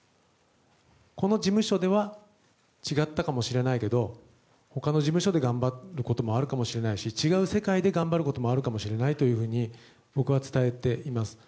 この事務所では違ったかもしれないけど他の事務所で頑張ることもあるかもしれないし違う世界で頑張ることもあるかもしれないというふうに僕は伝えています。